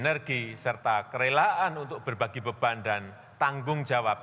energi serta kerelaan untuk berbagi beban dan tanggung jawab